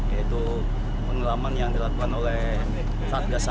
yaitu penenggelaman yang dilakukan oleh satgas